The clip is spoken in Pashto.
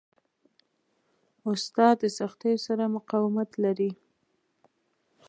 استاد د سختیو سره مقاومت لري.